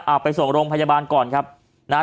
เอาไปส่งโรงพยาบาลก่อนครับนะฮะ